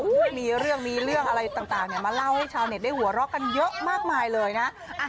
มีเรื่องมีเรื่องอะไรต่างมาเล่าให้ชาวเน็ตได้หัวเราะกันเยอะมากมายเลยนะ